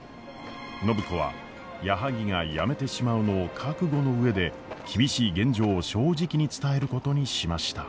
暢子は矢作が辞めてしまうのを覚悟の上で厳しい現状を正直に伝えることにしました。